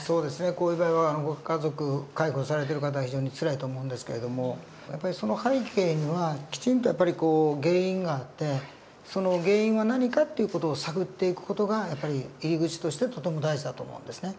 こういう場合はご家族介護されている方は非常につらいと思うんですけれどもやっぱりその背景にはきちんと原因があってその原因は何かっていう事を探っていく事がやっぱり入り口としてとても大事だと思うんですね。